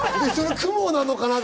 雲なのかなと。